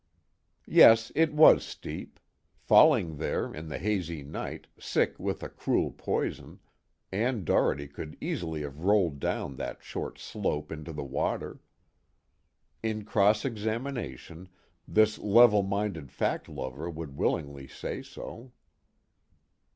Yes, it was steep. Falling there, in the hazy night, sick with a cruel poison, Ann Doherty could easily have rolled down that short slope into the water. In cross examination, this level minded fact lover would willingly say so.